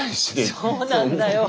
そうなんだよ。